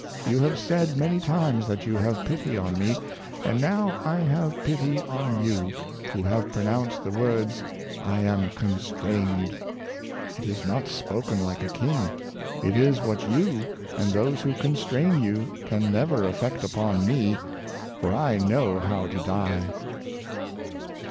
You have said many times that you have pity on me; and now I have pity on you, who have pronounced the words / am constrained ! It is not spoken like a king; it is what you, and those who constrain you, can never effect upon me, for I know how to die."